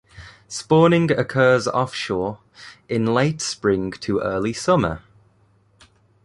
Spawning occurs offshore, in late spring to early summer.